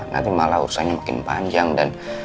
nanti malah urusannya makin panjang dan